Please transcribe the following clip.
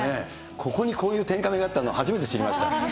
ここにこういう天カメがあったの初めて知りました。